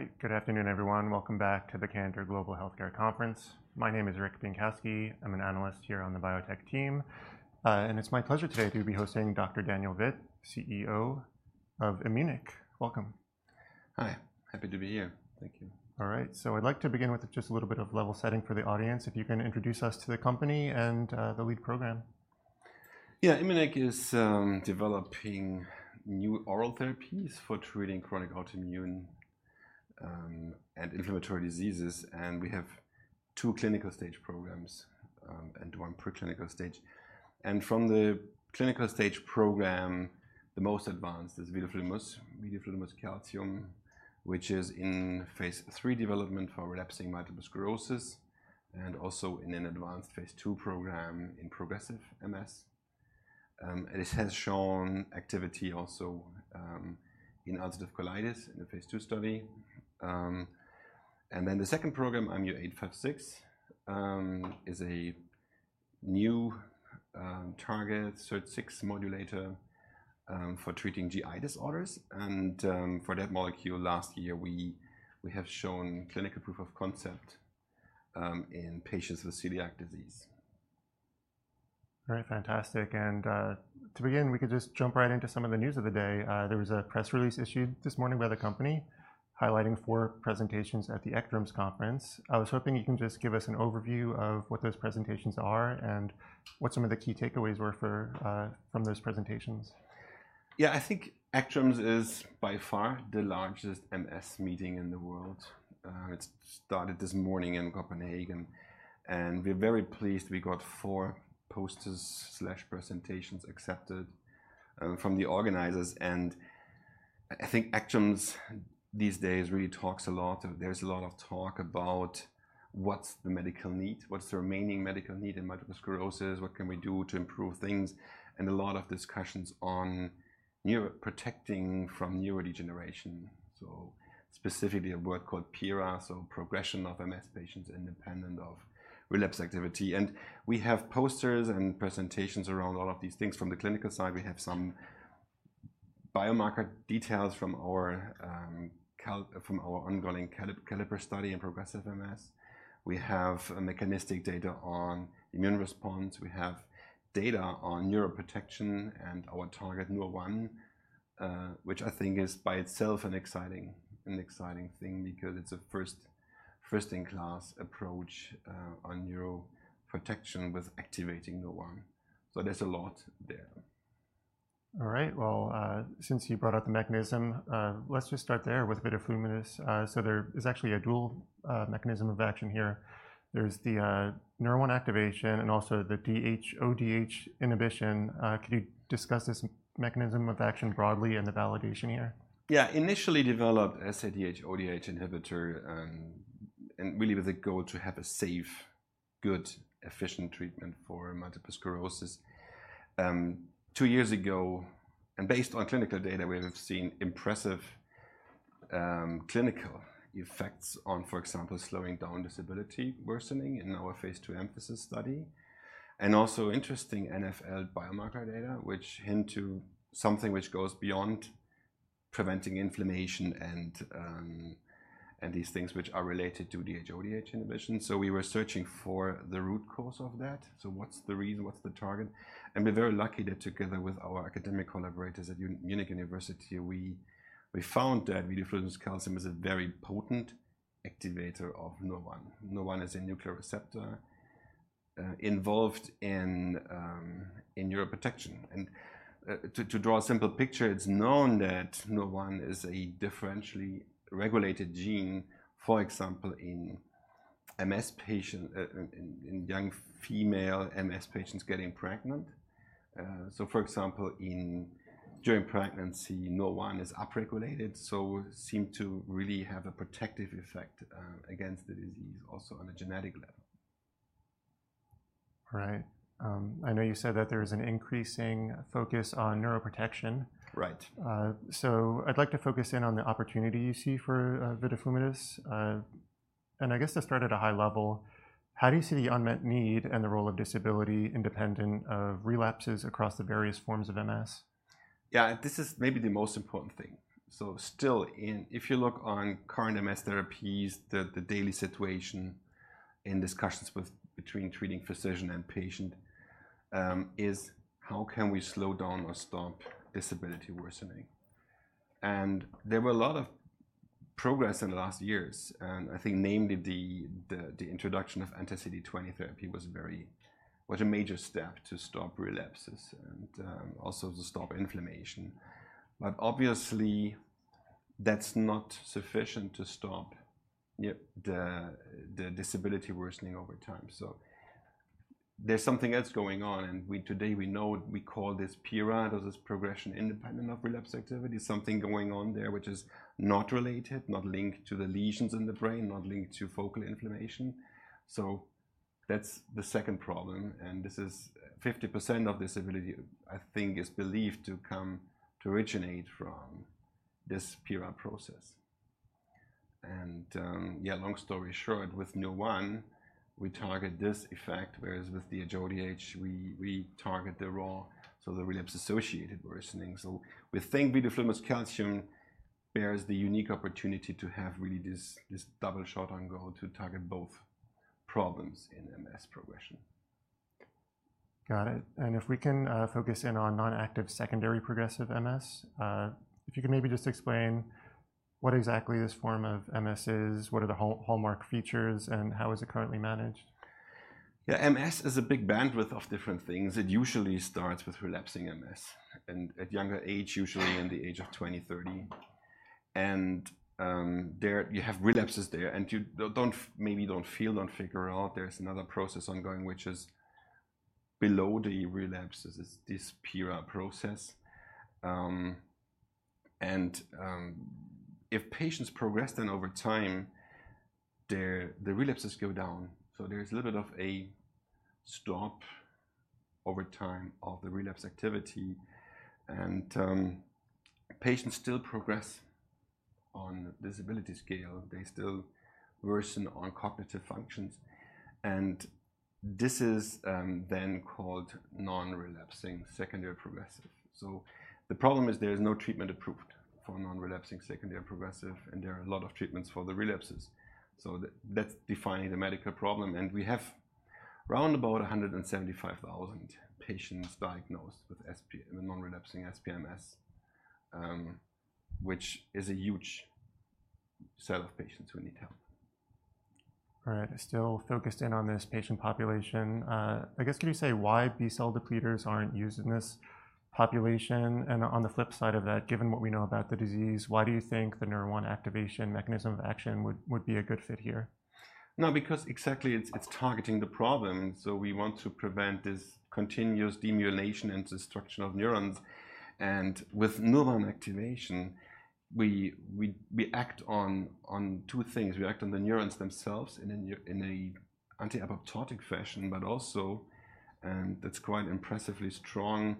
All right. Good afternoon, everyone. Welcome back to the Canaccord Global Healthcare Conference. My name is Rick Pinkoski. I'm an analyst here on the biotech team, and it's my pleasure today to be hosting Dr. Daniel Vitt, CEO of Immunic. Welcome. Hi. Happy to be here. Thank you. All right, so I'd like to begin with just a little bit of level setting for the audience, if you can introduce us to the company and the lead program. Yeah. Immunic is developing new oral therapies for treating chronic autoimmune and inflammatory diseases, and we have two clinical stage programs and one preclinical stage, and from the clinical stage program, the most advanced is vidofludimus calcium, which is in phase 3 development for relapsing multiple sclerosis, and also in an advanced phase 2 program in progressive MS, and it has shown activity also in ulcerative colitis in a phase 2 study, and then the second program, IMU-856, is a new target SIRT6 modulator for treating GI disorders, and for that molecule, last year we have shown clinical proof of concept in patients with celiac disease. Very fantastic, and to begin, we could just jump right into some of the news of the day. There was a press release issued this morning by the company, highlighting four presentations at the ECTRIMS conference. I was hoping you can just give us an overview of what those presentations are, and what some of the key takeaways were from those presentations. Yeah, I think ECTRIMS is by far the largest MS meeting in the world. It started this morning in Copenhagen, and we're very pleased we got four posters and presentations accepted from the organizers. I think ECTRIMS these days really talks a lot. There's a lot of talk about what's the medical need, what's the remaining medical need in multiple sclerosis. What can we do to improve things? There's a lot of discussions on neuroprotecting from neurodegeneration, so specifically a word called PIRA, so progression of MS patients independent of relapse activity. We have posters and presentations around all of these things. From the clinical side, we have some biomarker details from our ongoing CALIPER study in progressive MS. We have mechanistic data on immune response. We have data on neuroprotection and our target Nurr1, which I think is by itself an exciting thing, because it's a first-in-class approach on neuroprotection with activating Nurr1. So there's a lot there. All right. Well, since you brought up the mechanism, let's just start there with vidofludimus. So there is actually a dual mechanism of action here. There's the Nurr1 activation and also the DHODH inhibition. Could you discuss this mechanism of action broadly and the validation here? Yeah. Initially developed as a DHODH inhibitor, and really with the goal to have a safe, good, efficient treatment for multiple sclerosis. Two years ago, and based on clinical data, we have seen impressive clinical effects on, for example, slowing down disability worsening in our phase two EMPHASIS study, and also interesting NfL biomarker data, which hint to something which goes beyond preventing inflammation and these things which are related to DHODH inhibition. So we were searching for the root cause of that. So what's the reason? What's the target? And we're very lucky that together with our academic collaborators at University of Munich, we found that vidofludimus calcium is a very potent activator of Nurr1. Nurr1 is a nuclear receptor involved in neuroprotection. To draw a simple picture, it's known that Nurr1 is a differentially regulated gene, for example, in MS patients, in young female MS patients getting pregnant. So for example, during pregnancy, Nurr1 is upregulated, so it seems to really have a protective effect against the disease also on a genetic level. Right. I know you said that there is an increasing focus on neuroprotection. Right. So I'd like to focus in on the opportunity you see for vidofludimus calcium. And I guess to start at a high level, how do you see the unmet need and the role of disability independent of relapses across the various forms of MS? Yeah, this is maybe the most important thing. So still, in if you look on current MS therapies, the daily situation in discussions with between treating physician and patient is: How can we slow down or stop disability worsening? And there were a lot of progress in the last years, and I think namely the introduction of anti-CD20 therapy was a major step to stop relapses and also to stop inflammation. But obviously, that's not sufficient to stop the disability worsening over time. So there's something else going on, and today we know, we call this PIRA, or this progression independent of relapse activity, something going on there, which is not related, not linked to the lesions in the brain, not linked to focal inflammation. That's the second problem, and this is 50% of disability, I think, is believed to come to originate from this PIRA process. And, yeah, long story short, with Nurr1 we target this effect, whereas with the others we target the RAW, so the relapse-associated worsening. We think vidofludimus calcium bears the unique opportunity to have really this, this double shot on goal to target both problems in MS progression. Got it. And if we can focus in on non-active secondary progressive MS, if you could maybe just explain what exactly this form of MS is, what are the hallmark features, and how is it currently managed? Yeah, MS is a big bandwidth of different things. It usually starts with relapsing MS, and at younger age, usually in the age of twenty, thirty. There you have relapses there, and you don't, maybe don't feel, don't figure out there's another process ongoing, which is below the relapses, is this PIRA process. If patients progress, then over time, their, the relapses go down, so there is a little bit of a stop over time of the relapse activity. Patients still progress on disability scale, they still worsen on cognitive functions, and this is then called non-relapsing secondary progressive. So the problem is there is no treatment approved for non-relapsing secondary progressive, and there are a lot of treatments for the relapses. So, that’s defining the medical problem, and we have round about a hundred and seventy-five thousand patients diagnosed with SPMS, non-relapsing SPMS, which is a huge set of patients who need help. All right, still focused in on this patient population, I guess, can you say why B-cell depleters aren't used in this population? And on the flip side of that, given what we know about the disease, why do you think the neuron activation mechanism of action would be a good fit here? No, because exactly, it's targeting the problem, so we want to prevent this continuous demyelination and destruction of neurons. With Nurr1 activation, we act on two things. We act on the neurons themselves in an anti-apoptotic fashion, but also, and that's quite impressively strong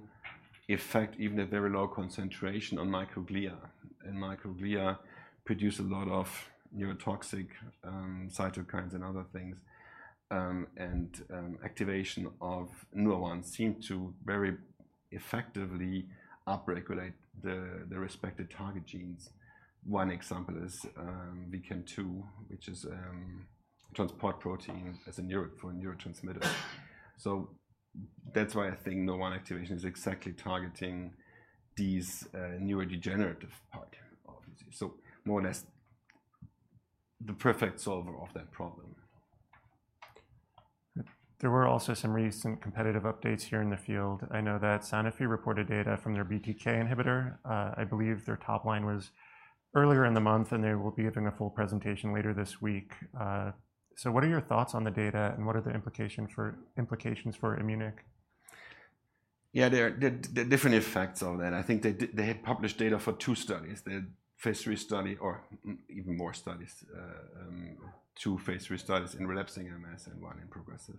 effect, even at very low concentration on microglia. Microglia produce a lot of neurotoxic cytokines and other things. Activation of Nurr1 seems to very effectively upregulate the respective target genes. One example is VMAT2, which is a transport protein for a neurotransmitter. That's why I think Nurr1 activation is exactly targeting these neurodegenerative part, obviously. More or less, the perfect solver of that problem. There were also some recent competitive updates here in the field. I know that Sanofi reported data from their BTK inhibitor. I believe their top line was earlier in the month, and they will be giving a full presentation later this week. So what are your thoughts on the data, and what are the implications for Immunic? Yeah, there are different effects of that. I think they published data for two studies, the phase three study, or even more studies, two phase three studies in relapsing MS and one in progressive.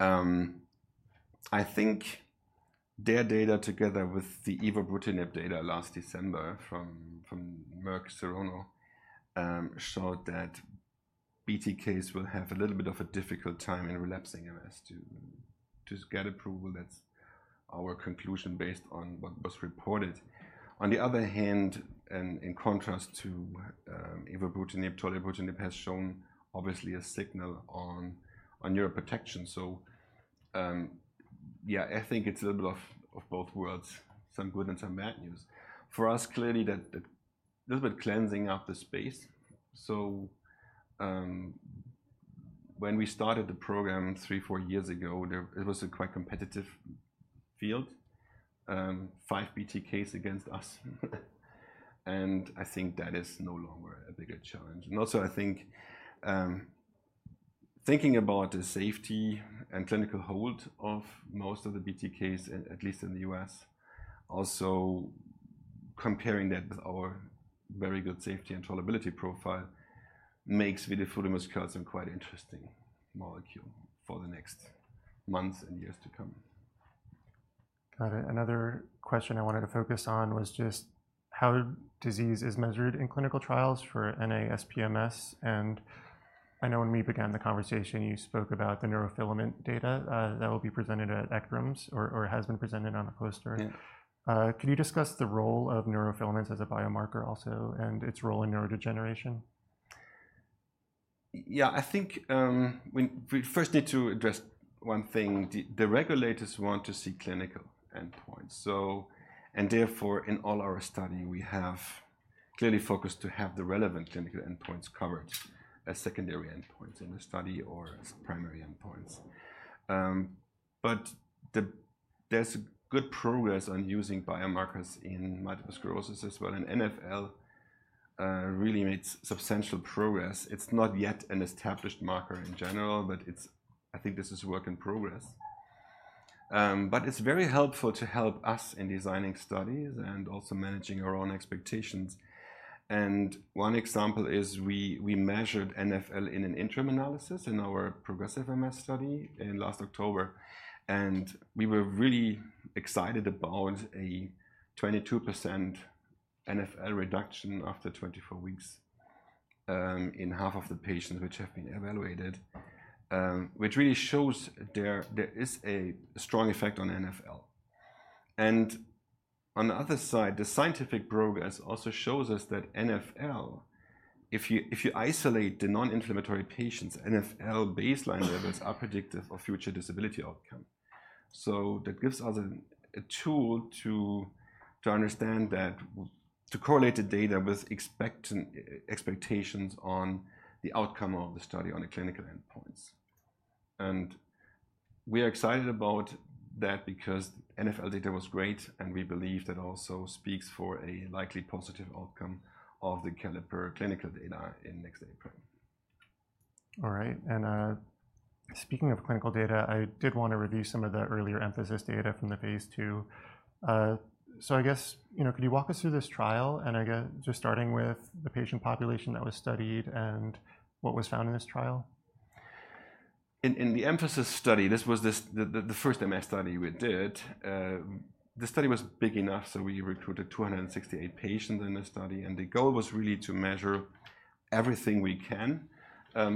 I think their data, together with the evobrutinib data last December from Merck Serono, showed that BTKs will have a little bit of a difficult time in relapsing MS to get approval. That's our conclusion based on what was reported. On the other hand, and in contrast to evobrutinib, tolebrutinib has shown obviously a signal on neuroprotection. So, yeah, I think it's a little of both worlds, some good and some bad news. For us, clearly, that, the little bit cleansing of the space. When we started the program three, four years ago, it was a quite competitive field, five BTKs against us. And I think that is no longer a bigger challenge. And also, I think, thinking about the safety and clinical hold of most of the BTKs, at least in the U.S., also comparing that with our very good safety and tolerability profile, makes vidofludimus calcium quite interesting molecule for the next months and years to come. Got it. Another question I wanted to focus on was just how disease is measured in clinical trials for NASPMS, and I know when we began the conversation, you spoke about the neurofilament data that will be presented at ECTRIMS or has been presented on a poster. Yeah. Could you discuss the role of neurofilaments as a biomarker also, and its role in neurodegeneration? Yeah, I think we first need to address one thing. The regulators want to see clinical endpoints, so and therefore, in all our study, we have clearly focused to have the relevant clinical endpoints covered as secondary endpoints in the study or as primary endpoints. But there's good progress on using biomarkers in multiple sclerosis as well, and NfL really made substantial progress. It's not yet an established marker in general, but I think this is a work in progress. But it's very helpful to help us in designing studies and also managing our own expectations. And one example is we measured NfL in an interim analysis in our progressive MS study in last October, and we were really excited about a 22% NfL reduction after 24 weeks, in half of the patients which have been evaluated. Which really shows there is a strong effect on NfL. And on the other side, the scientific progress also shows us that NfL, if you isolate the non-inflammatory patients, NfL baseline levels are predictive of future disability outcome. That gives us a tool to understand that, to correlate the data with expectations on the outcome of the study on the clinical endpoints. We are excited about that because NfL data was great, and we believe that also speaks for a likely positive outcome of the CALIPER clinical data in next April. All right, and speaking of clinical data, I did want to review some of the earlier EMPHASIS data from the phase 2. I guess, you know, could you walk us through this trial, and I guess just starting with the patient population that was studied and what was found in this trial? In the EMPHASIS study, this was the first MS study we did. The study was big enough, so we recruited 268 patients in the study, and the goal was really to measure everything we can,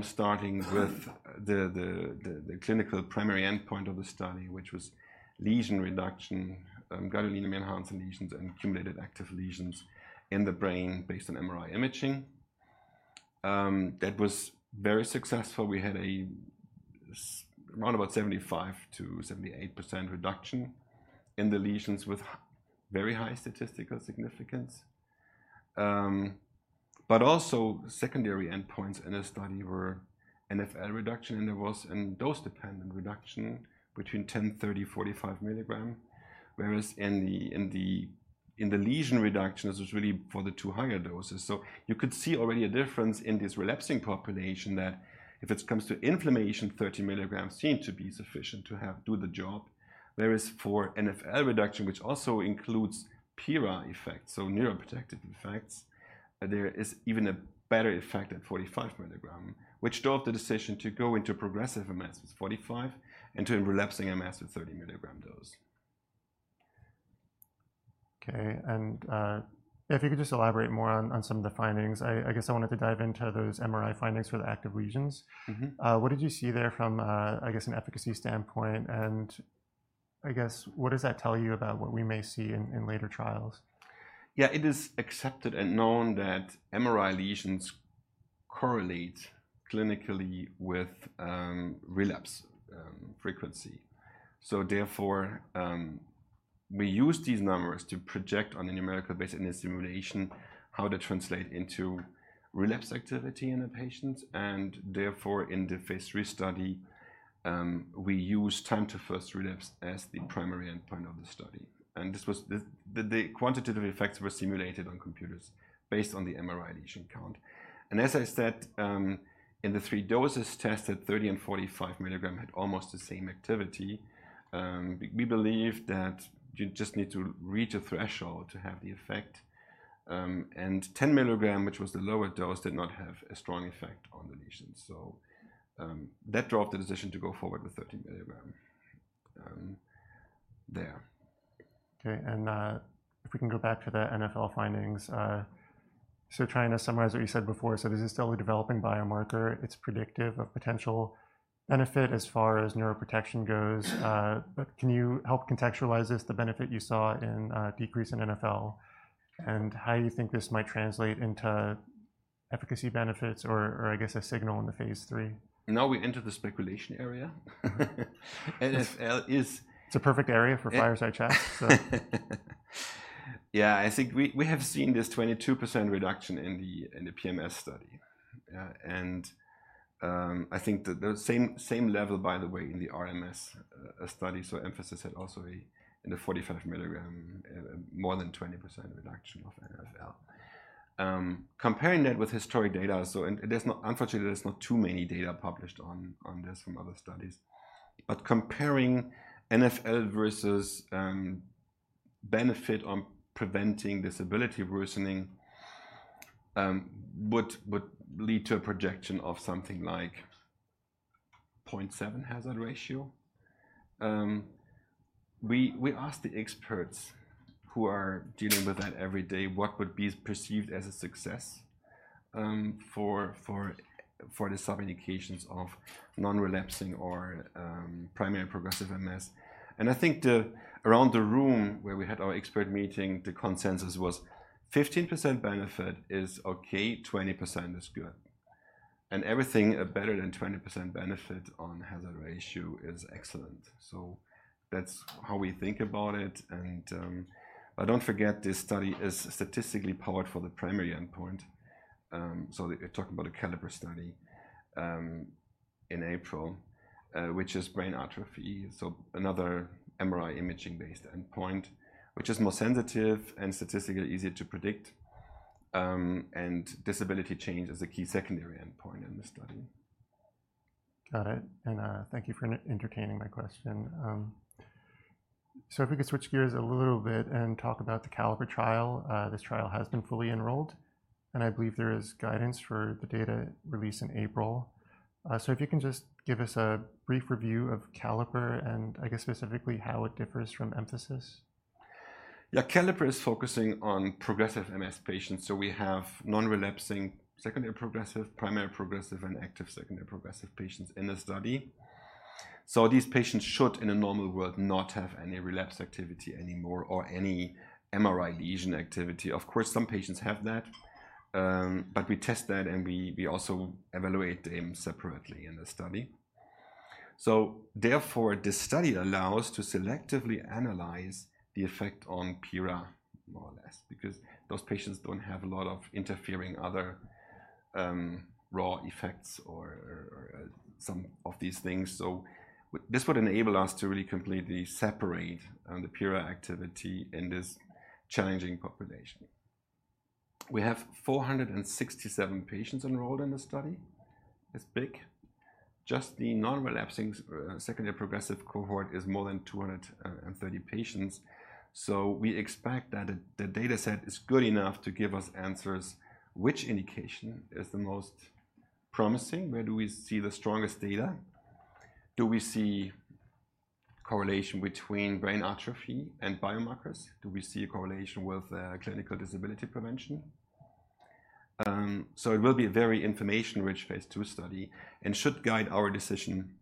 starting with the clinical primary endpoint of the study, which was lesion reduction, gadolinium enhancing lesions and cumulative active lesions in the brain based on MRI imaging. That was very successful. We had around about 75%-78% reduction in the lesions with very high statistical significance. But also secondary endpoints in the study were NfL reduction, and there was a dose-dependent reduction between 10, 30, 45 milligram, whereas in the lesion reductions, it was really for the two higher doses. You could see already a difference in this relapsing population, that if it comes to inflammation, thirty milligrams seemed to be sufficient to help do the job. Whereas for NfL reduction, which also includes PIRA effects, so neuroprotective effects, there is even a better effect at forty-five milligram, which drove the decision to go into progressive MS with forty-five and to a relapsing MS with thirty milligram dose. Okay, and if you could just elaborate more on some of the findings. I guess I wanted to dive into those MRI findings for the active lesions. Mm-hmm. What did you see there from a, I guess, an efficacy standpoint? And I guess, what does that tell you about what we may see in later trials? Yeah, it is accepted and known that MRI lesions correlate clinically with relapse frequency. So therefore, we use these numbers to project on a numerical basis in a simulation, how they translate into relapse activity in the patients, and therefore, in the phase 3 study, we use time to first relapse as the primary endpoint of the study. The quantitative effects were simulated on computers based on the MRI lesion count. And as I said, in the three doses tested, 30 and 45 milligram had almost the same activity. We believe that you just need to reach a threshold to have the effect. And 10 milligram, which was the lower dose, did not have a strong effect on the lesions. So, that drove the decision to go forward with 30 milligram, there. Okay, and if we can go back to the NfL findings. So trying to summarize what you said before, so this is still a developing biomarker. It's predictive of potential benefit as far as neuroprotection goes. But can you help contextualize this, the benefit you saw in decrease in NfL, and how you think this might translate into efficacy benefits or I guess, a signal in the phase 3? Now we enter the speculation area. NfL is- It's a perfect area for Fireside Chats, so. Yeah, I think we have seen this 22% reduction in the PMS study. And I think that the same level, by the way, in the RMS study, so emphasis had also a in the 45 milligram more than 20% reduction of NfL. Comparing that with historic data, so and there's not unfortunately, there's not too many data published on this from other studies. But comparing NfL versus benefit on preventing disability worsening would lead to a projection of something like 0.7 hazard ratio. We asked the experts who are dealing with that every day, what would be perceived as a success for the sub-indications of non-relapsing or primary progressive MS? And I think the around the room where we had our expert meeting, the consensus was 15% benefit is okay, 20% is good, and everything better than 20% benefit on hazard ratio is excellent. So that's how we think about it, and, but don't forget, this study is statistically powered for the primary endpoint. So you're talking about a CALIPER study, in April, which is brain atrophy, so another MRI imaging-based endpoint, which is more sensitive and statistically easier to predict, and disability change is a key secondary endpoint in the study. Got it. And thank you for entertaining my question. So if we could switch gears a little bit and talk about the CALIPER trial. This trial has been fully enrolled? And I believe there is guidance for the data release in April. So if you can just give us a brief review of CALIPER, and I guess specifically how it differs from EMPHASIS? Yeah, CALIPER is focusing on progressive MS patients, so we have non-relapsing secondary progressive, primary progressive, and active secondary progressive patients in the study. So these patients should, in a normal world, not have any relapse activity anymore or any MRI lesion activity. Of course, some patients have that, but we test that, and we also evaluate them separately in the study. So therefore, this study allows to selectively analyze the effect on PIRA, more or less, because those patients don't have a lot of interfering other RAW effects or some of these things. So this would enable us to really completely separate the PIRA activity in this challenging population. We have 467 patients enrolled in the study. It's big. Just the non-relapsing secondary progressive cohort is more than 230 patients, so we expect that the data set is good enough to give us answers, which indication is the most promising? Where do we see the strongest data? Do we see correlation between brain atrophy and biomarkers? Do we see a correlation with clinical disability prevention, so it will be a very information-rich phase 2 study and should guide our decision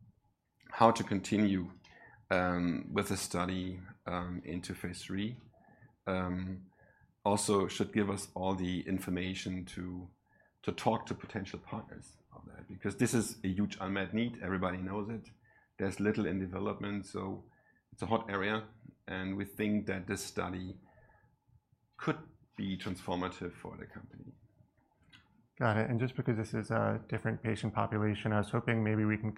how to continue with the study into phase 3, also should give us all the information to talk to potential partners on that, because this is a huge unmet need. Everybody knows it. There's little in development, so it's a hot area, and we think that this study could be transformative for the company. Got it, and just because this is a different patient population, I was hoping maybe we can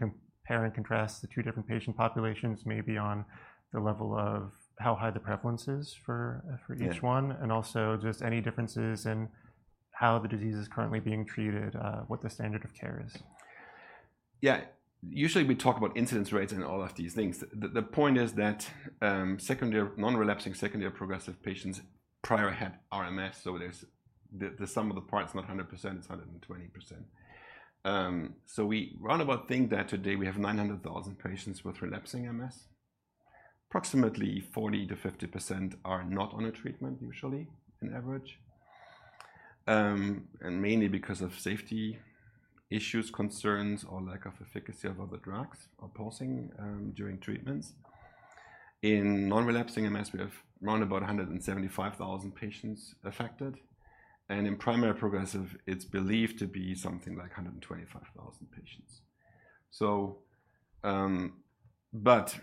compare and contrast the two different patient populations, maybe on the level of how high the prevalence is for each one? Yeah. And also, just any differences in how the disease is currently being treated, what the standard of care is? Yeah. Usually, we talk about incidence rates and all of these things. The point is that secondary non-relapsing secondary progressive patients prior had RMS, so there's the sum of the parts, not 100%, it's 120%. So we roundabout think that today we have 900,000 patients with relapsing MS. Approximately 40%-50% are not on a treatment, usually, on average. And mainly because of safety issues, concerns, or lack of efficacy of other drugs, or pausing during treatments. In non-relapsing MS, we have roundabout 175,000 patients affected, and in primary progressive, it's believed to be something like 125,000 patients. But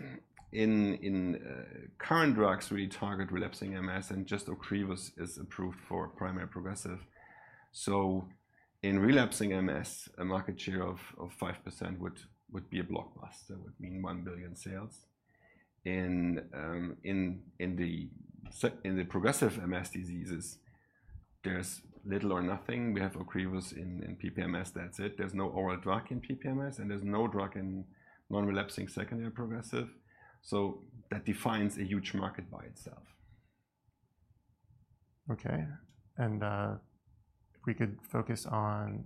in current drugs, we target relapsing MS, and just Ocrevus is approved for primary progressive. In relapsing MS, a market share of 5% would be a blockbuster, would mean $1 billion sales. In the progressive MS diseases, there's little or nothing. We have Ocrevus in PPMS. That's it. There's no oral drug in PPMS, and there's no drug in non-active secondary progressive, so that defines a huge market by itself. Okay, and if we could focus on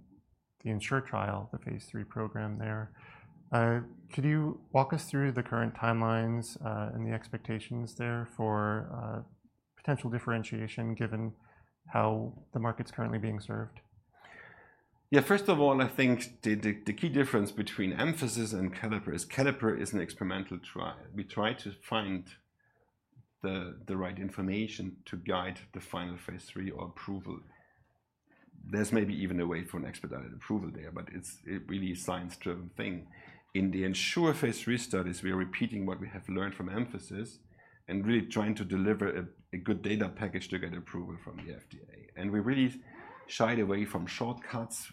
the ENSURE trial, the phase 3 program there. Could you walk us through the current timelines, and the expectations there for potential differentiation, given how the market's currently being served? Yeah, first of all, I think the key difference between EMPHASIS and CALIPER is CALIPER is an experimental trial. We try to find the right information to guide the final phase three or approval. There's maybe even a way for an expedited approval there, but it's a really science-driven thing. In the ENSURE phase three studies, we are repeating what we have learned from EMPHASIS and really trying to deliver a good data package to get approval from the FDA. And we really shied away from shortcuts,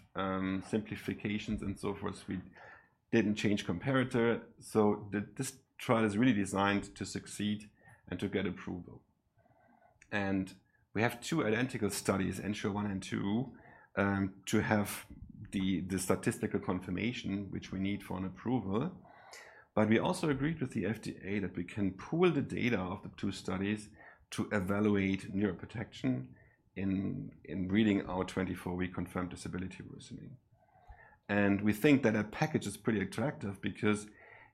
simplifications, and so forth. We didn't change comparator, so this trial is really designed to succeed and to get approval. And we have two identical studies, ENSURE one and two, to have the statistical confirmation, which we need for an approval. But we also agreed with the FDA that we can pool the data of the two studies to evaluate neuroprotection in reading our 24-week confirmed disability worsening. And we think that our package is pretty attractive because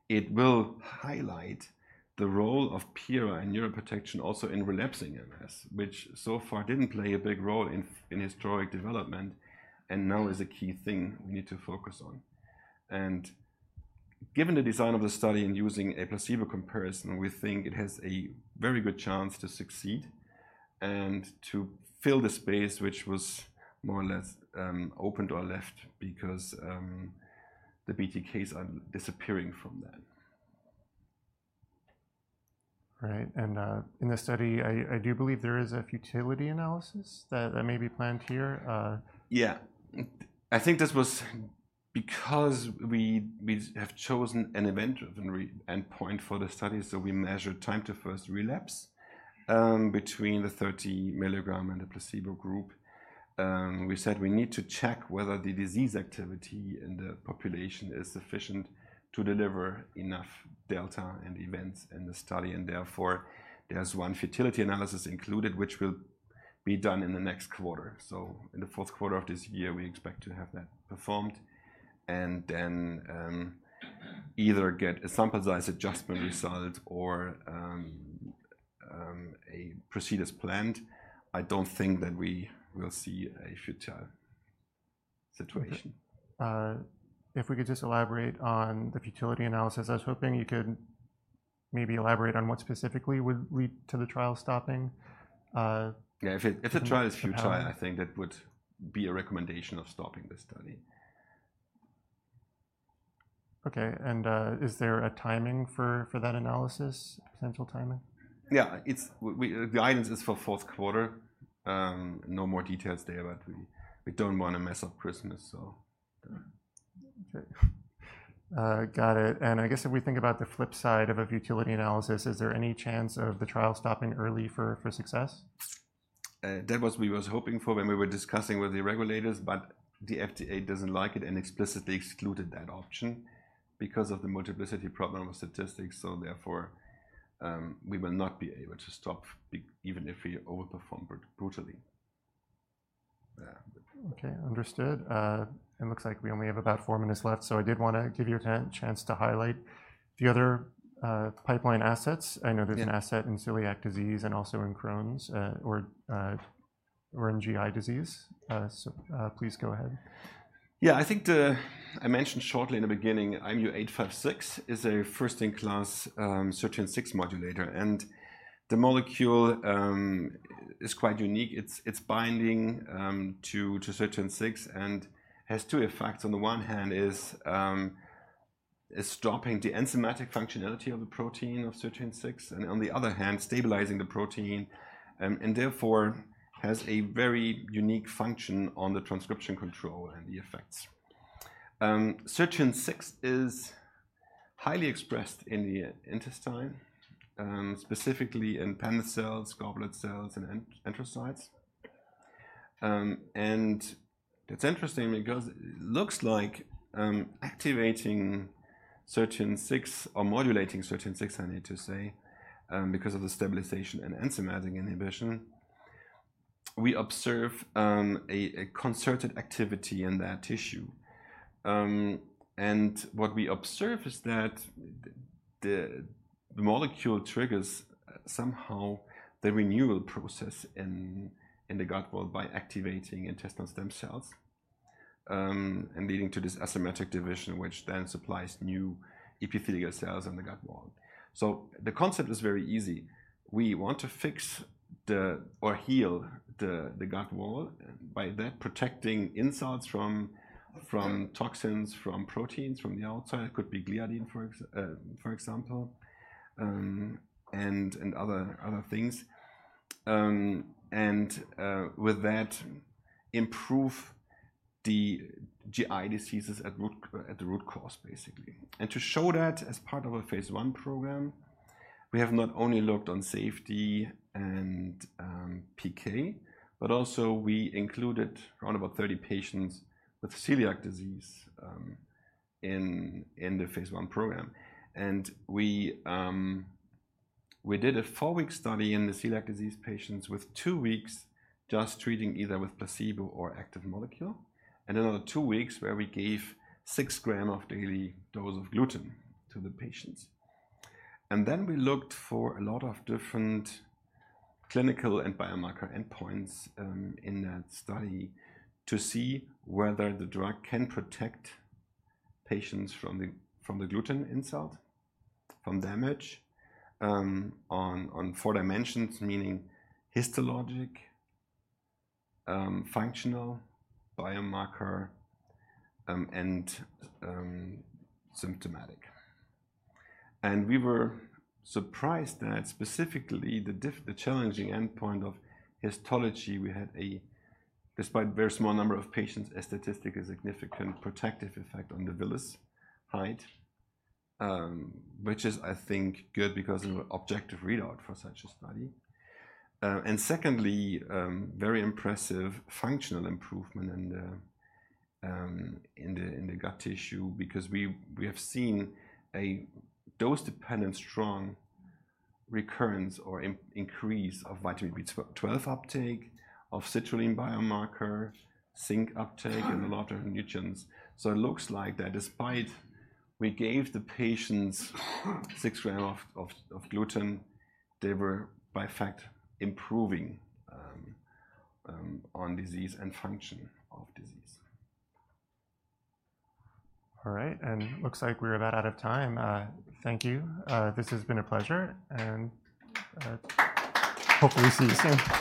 it will highlight the role of PIRA in neuroprotection also in relapsing MS, which so far didn't play a big role in historic development, and now is a key thing we need to focus on. And given the design of the study and using a placebo comparison, we think it has a very good chance to succeed and to fill the space which was more or less opened or left because the BTKs are disappearing from that. Right, and in the study, I do believe there is a futility analysis that may be planned here? Yeah. I think this was because we have chosen an event-driven relapse endpoint for the study, so we measured time to first relapse between the thirty milligram and the placebo group. We said we need to check whether the disease activity in the population is sufficient to deliver enough delta and events in the study, and therefore, there's one futility analysis included, which will be done in the next quarter. So in the fourth quarter of this year, we expect to have that performed, and then, either get a sample size adjustment result or a proceed as planned. I don't think that we will see a futile situation. If we could just elaborate on the futility analysis. I was hoping you could maybe elaborate on what specifically would lead to the trial stopping? Yeah, if a trial is futile- Um... I think that would be a recommendation of stopping the study. Okay, and, is there a timing for that analysis, potential timing? Yeah. It's we the guidance is for fourth quarter. No more details there, but we don't wanna mess up Christmas, so... Okay. Got it. And I guess if we think about the flip side of a futility analysis, is there any chance of the trial stopping early for success? That was we was hoping for when we were discussing with the regulators, but the FDA doesn't like it and explicitly excluded that option because of the multiplicity problem of statistics. So therefore, we will not be able to stop, even if we overperform brutally. Okay, understood. It looks like we only have about four minutes left, so I did wanna give you a chance to highlight the other pipeline assets? Yeah. I know there's an asset in celiac disease and also in Crohn's or in GI disease. So, please go ahead. Yeah, I think I mentioned shortly in the beginning, IMU-856 is a first-in-class Sirtuin 6 modulator, and the molecule is quite unique. It's binding to Sirtuin 6 and has two effects. On the one hand is stopping the enzymatic functionality of the protein of Sirtuin 6, and on the other hand, stabilizing the protein, and therefore has a very unique function on the transcription control and the effects. Sirtuin 6 is highly expressed in the intestine, specifically in Paneth cells, goblet cells, and enterocytes, and it's interesting because it looks like activating Sirtuin 6 or modulating Sirtuin 6, I need to say, because of the stabilization and enzymatic inhibition, we observe a concerted activity in that tissue. And what we observe is that the molecule triggers somehow the renewal process in the gut wall by activating intestinal stem cells, and leading to this asymmetric division, which then supplies new epithelial cells in the gut wall. So the concept is very easy. We want to fix the, or heal the gut wall, by that protecting insults from toxins, from proteins, from the outside. It could be gliadin, for example, and other things. And with that, improve the GI diseases at root, at the root cause, basically. And to show that, as part of our phase one program, we have not only looked on safety and PK, but also we included around about thirty patients with celiac disease in the phase one program. And we did a four-week study in the celiac disease patients with two weeks just treating either with placebo or active molecule, and another two weeks where we gave six gram of daily dose of gluten to the patients. And then we looked for a lot of different clinical and biomarker endpoints in that study to see whether the drug can protect patients from the gluten insult, from damage on four dimensions, meaning histologic, functional, biomarker, and symptomatic. And we were surprised that specifically the challenging endpoint of histology, we had despite very small number of patients a statistically significant protective effect on the villous height, which is, I think, good because of an objective readout for such a study. And secondly, very impressive functional improvement in the gut tissue, because we have seen a dose-dependent strong recovery or increase of vitamin B12 uptake, of citrulline biomarker, zinc uptake, and a lot of nutrients. So it looks like that despite we gave the patients six gram of gluten, they were in fact improving on disease and function of disease. All right. And looks like we're about out of time. Thank you. This has been a pleasure, and hopefully, we see you soon.